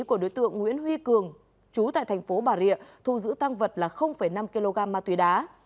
của đối tượng nguyễn huy cường chú tại thành phố bà rịa thu giữ tăng vật là năm kg ma túy đá